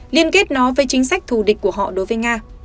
liên kết nó về chính sách thù địch của họ đối với nga